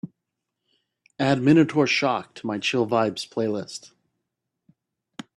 add Minotaur Shock to my Chill Vibes playlist